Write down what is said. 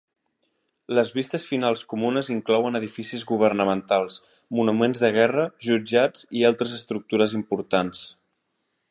Les vistes finals comunes inclouen edificis governamentals, monuments de guerra, jutjats i altres estructures importants.